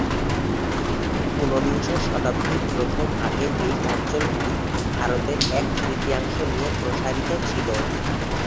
ঊনবিংশ শতাব্দীর প্রথম ভাগে এই অঞ্চলগুলি ভারতের এক-তৃতীয়াংশ নিয়ে প্রসারিত ছিল।